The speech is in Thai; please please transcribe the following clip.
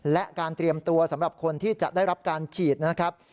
และการเตรียมตัวสำหรับคนที่จะได้รับการฉีดนะครับ